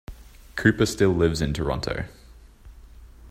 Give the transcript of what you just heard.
Cooper still lives in Toronto.